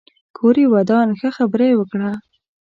کور يې ودان ښه خبره يې وکړه